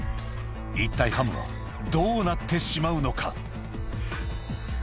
一体ハムはどうなってしまうのか？